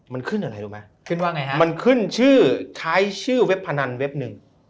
มันขึ้นอะไรดูมั้ยมันขึ้นชื่อคล้ายชื่อเว็บพนันเว็บหนึ่ง